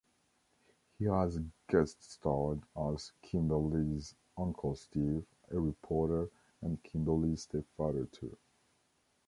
He has guest-starred as Kimberly's Uncle Steve, a reporter, and Kimberly's stepfather too.